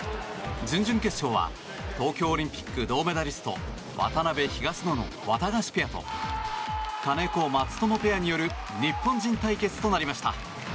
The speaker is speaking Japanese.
準々決勝は東京オリンピック銅メダリスト渡辺、東野ペアのワタガシペアと金子、松友ペアによる日本人対決となりました。